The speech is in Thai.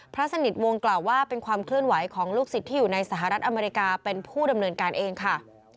พระสนิทวงศ์กล่าวว่าเป็นความเคลื่อนไหวของลูกศิษย์ที่อยู่ในสหรัฐอเมริกาเป็นผู้ดำเนินการเองค่ะ